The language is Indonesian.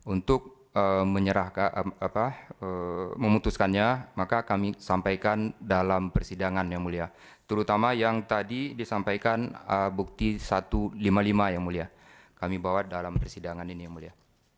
untuk memutuskannya maka kami sampaikan dalam persidangan yang mulia terutama yang tadi disampaikan bukti satu ratus lima puluh lima yang mulia kami bawa dalam persidangan ini yang mulia